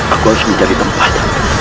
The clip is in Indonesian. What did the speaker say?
aku harus mencari tempat